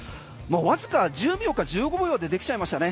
わずか１０秒か１５秒で出来ちゃいましたね。